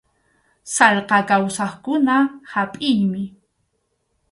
Sallqa kawsaqkuna hapʼiymi.